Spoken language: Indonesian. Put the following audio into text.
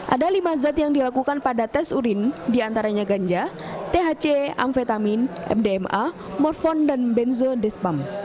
ada lima zat yang dilakukan pada tes urin diantaranya ganja thc amfetamin mdma morfon dan benzodespam